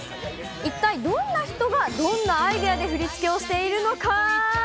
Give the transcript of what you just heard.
一体どんな人がどんなアイデアで振り付けをしているのか。